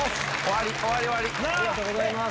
ありがとうございます。